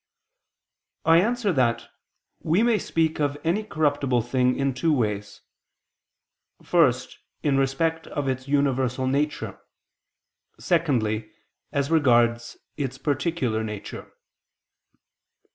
I answer that, We may speak of any corruptible thing in two ways; first, in respect of its universal nature, secondly, as regards its particular nature.